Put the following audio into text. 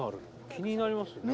気になりますよね